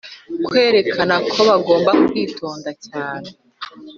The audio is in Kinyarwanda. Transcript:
kwerekana ko bagomba kwitonda cyane.